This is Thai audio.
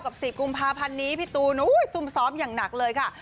๑๐กุมภาพันธ์นี้พี่ตูนซุ่มซ้อมอย่างหนักเลยค่ะ